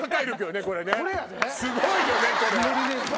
すごいよねこれ。